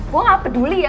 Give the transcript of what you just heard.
gue gak peduli ya